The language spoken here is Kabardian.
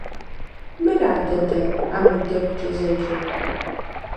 Мыра, дадэ, аму дэгукӀэ зэджэр?